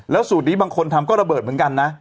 สูตรนี้บางคนทำก็ระเบิดเหมือนกันนะ